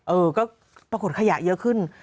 เออก็ปรากฏขยะเยอะขึ้น